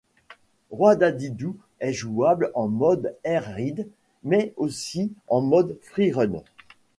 Roi Dadidou est jouable en mode Air Ride, mais aussi en mode Free Run.